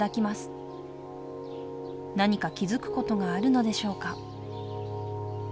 何か気付くことがあるのでしょうか？